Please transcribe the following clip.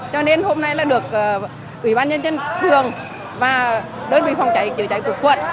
cho nên hôm nay là được ủy ban nhân dân phường và đơn vị phòng cháy chữa cháy của quận